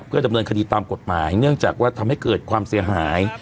เพื่อดำเนินคดีตามกฎหมายเนื่องจากว่าทำให้เกิดความเสียหาย